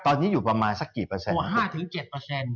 ตอนนี้อยู่ประมาณสักกี่เปอร์เซ็นต์๕๗